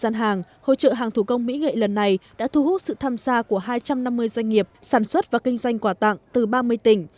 năm mươi dân hàng hỗ trợ hàng thủ công mỹ nghệ lần này đã thu hút sự tham gia của hai trăm năm mươi doanh nghiệp sản xuất và kinh doanh quả tặng từ ba mươi tỉnh